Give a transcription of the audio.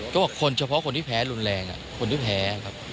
ก็บอกคนเฉพาะคนที่แพ้รุนแรงคนที่แพ้ครับ